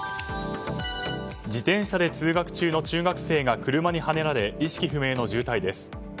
自転車で通学中の中学生が車にはねられ意識不明の重体です。